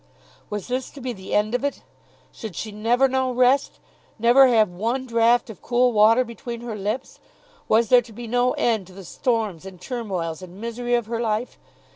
Was this to be the end of it? Should she never know rest; never have one draught of cool water between her lips? Was there to be no end to the storms and turmoils and misery of her life?